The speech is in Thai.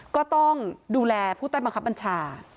ก็ต้องดูแลผู้ใต้บังคับบัญชา